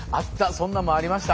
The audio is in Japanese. そんなんもありました。